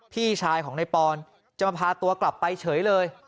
พี่ชายของนายปอนจะมาพาตัวกลับไปเฉยเลย